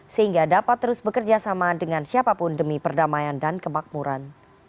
sehingga dapat terus bekerja sama dengan siapapun demi perdamaian dan kemakmuran